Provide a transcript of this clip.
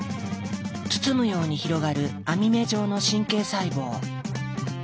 包むように広がる網目状の神経細胞。